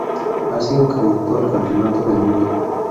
Ha sido candidato al Campeonato del Mundo.